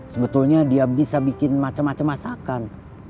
sebetulnya dia bisa bikin macam macam masakan